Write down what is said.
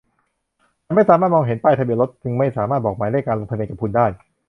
ฉันไม่สามารถมองเห็นป้ายทะเบียนรถจึงไม่สามารถบอกหมายเลขการลงทะเบียนกับคุณได้